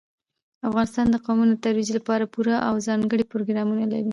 افغانستان د قومونه د ترویج لپاره پوره او ځانګړي پروګرامونه لري.